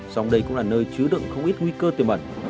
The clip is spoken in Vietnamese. dòng đây cũng là nơi chứa đựng không ít nguy cơ tiềm mẩn